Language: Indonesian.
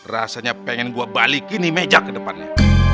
rasanya pengen gue balik gini meja ke depannya